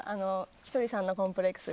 ひとりさんのコンプレックス。